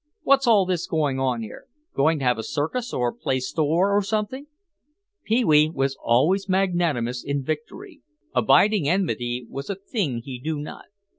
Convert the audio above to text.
"What's all this going on here? Going to have a circus or play store or something?" Pee wee was always magnanimous in victory. Abiding enmity was a thing he knew not.